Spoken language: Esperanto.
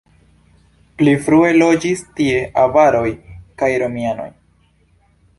Pli frue loĝis tie avaroj kaj romianoj.